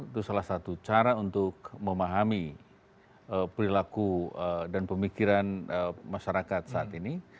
itu salah satu cara untuk memahami perilaku dan pemikiran masyarakat saat ini